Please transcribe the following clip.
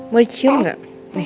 mau dicium gak